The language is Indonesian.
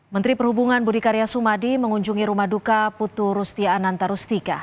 menteri perhubungan budi karya sumadi mengunjungi rumah duka putu rusti anantarustika